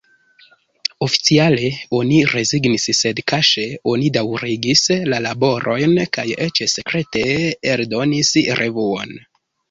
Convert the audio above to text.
Oficiale, oni rezignis, sed kaŝe oni daŭrigis la laborojn kaj eĉ sekrete eldonis revuon.